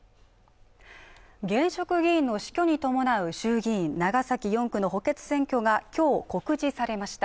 現職議員の死去に伴う衆議院長崎４区の補欠選挙がきょう告示されました